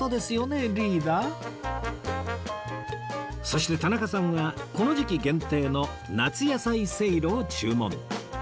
そして田中さんはこの時期限定の夏野菜せいろを注文